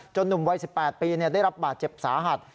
จนนุ่มว่ายสิบแปดปีเนี่ยได้รับบาดเจ็บสาหัส